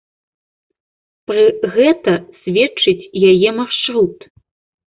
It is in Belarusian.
Пры гэта сведчыць яе маршрут.